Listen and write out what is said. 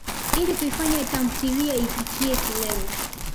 Ili kuifanya tamthilia ifikiye kilele.